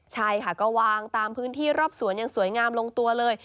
ใช่ค่ะก็วางตามพื้นที่รอบสวนอย่างสวยงามลงตัวเลย